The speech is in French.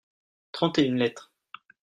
trente et une lettres.